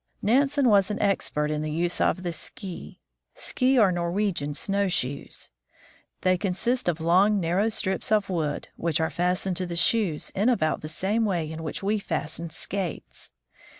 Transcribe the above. Nansen was an expert in the use of the ski. Ski are Norwegian snowshoes. They consist of long, narrow strips of wood, which are fastened to the shoes in about the same way in which we fasten skates.